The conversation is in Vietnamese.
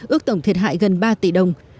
ước tổng thiệt hại gần ba tỷ đồng